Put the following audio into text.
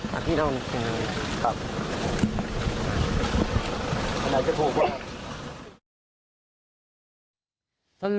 มาพี่น้องขึ้นเลยกับอะไรจะพูดว่ะ